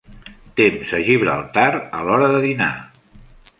Temps a Gibraltar a l'hora de dinar.